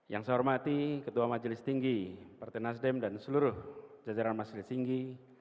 yang saya hormati ketua majelis tinggi partai nasdem dan seluruh jajaran majelis tinggi